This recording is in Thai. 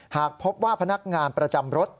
หากพบว่าพนักงานประจำรถ